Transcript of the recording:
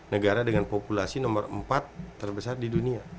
negara dengan populasi nomor empat terbesar di dunia